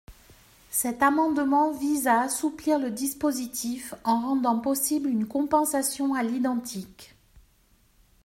Cet amendement vise à assouplir le dispositif en rendant possible une compensation à l’identique.